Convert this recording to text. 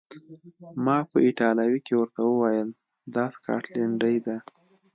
ما په ایټالوي کې ورته وویل: دا سکاټلنډۍ ده.